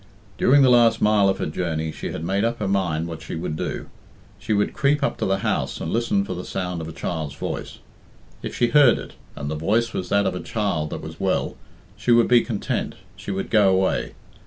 During the last mile of her journey she had made up her mind what she would do. She would creep up to the house and listen for the sound of a child's voice. If she heard it, and the voice was that of a child that was well, she would be content, she would go away.